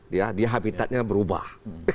dia habitatnya berubah